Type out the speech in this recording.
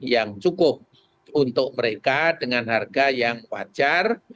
yang cukup untuk mereka dengan harga yang wajar